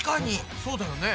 そうだよね。